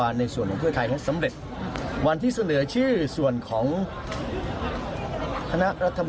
เอาลองฟังเสียงหน่อยฮะ